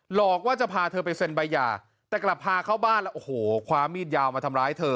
หลอกว่าจะพาเธอไปเซ็นใบหย่าแต่กลับพาเข้าบ้านแล้วโอ้โหคว้ามีดยาวมาทำร้ายเธอ